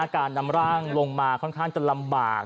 การนำร่างลงมาค่อนข้างจะลำบาก